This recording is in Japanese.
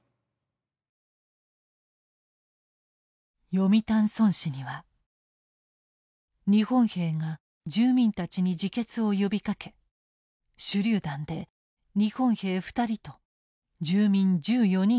読谷村史には日本兵が住民たちに自決を呼びかけ手榴弾で日本兵２人と住民１４人が犠牲になったと記録されている。